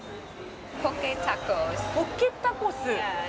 ポケタコス？